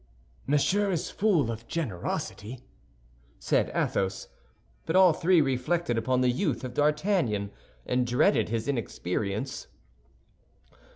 "Monsieur is full of generosity," said Athos. But all three reflected upon the youth of D'Artagnan, and dreaded his inexperience.